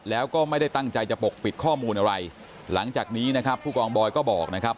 แล้วก็ไม่ได้ตั้งใจจะปกปิดข้อมูลอะไรหลังจากนี้นะครับผู้กองบอยก็บอกนะครับ